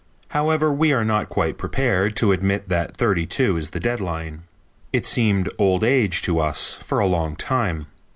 However, we are not quite prepared to admit that thirty two is the deadline. It seemed old age to us for a long time.